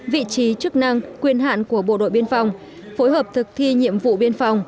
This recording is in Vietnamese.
vị trí chức năng quyền hạn của bộ đội biên phòng phối hợp thực thi nhiệm vụ biên phòng